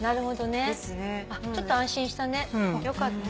ちょっと安心したね。